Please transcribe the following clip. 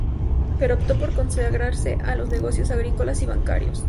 Pero optó por consagrarse a los negocios agrícolas y bancarios.